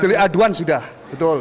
jelik aduan sudah betul